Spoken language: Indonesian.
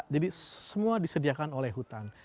jadi semua disediakan oleh hutan